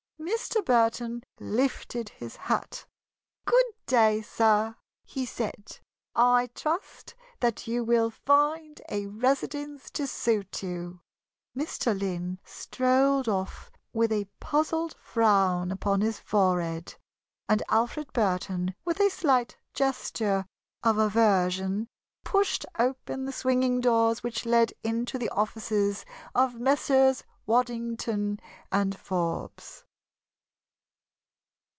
Mr. Burton lifted his hat. "Good day, sir!" he said. "I trust that you will find a residence to suit you." Mr. Lynn strolled off with a puzzled frown upon his forehead, and Alfred Burton, with a slight gesture of aversion, pushed open the swinging doors which led into the offices of Messrs. Waddington & Forbes.